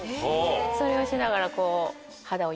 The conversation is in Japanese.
それをしながら。